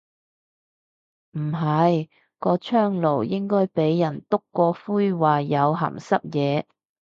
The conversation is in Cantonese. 唔係，個窗爐應該俾人篤過灰話有鹹濕野。